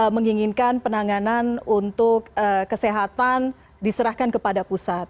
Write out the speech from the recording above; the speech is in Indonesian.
menginginkan penanganan untuk kesehatan diserahkan kepada pusat